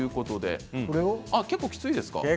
結構きついですか？